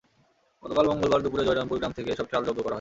গতকাল মঙ্গলবার দুপুরে জয়রামপুর গ্রাম থেকে এসব চাল জব্দ করা হয়।